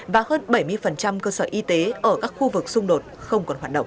và hơn bảy mươi cơ sở y tế ở các khu vực xung đột không còn hoạt động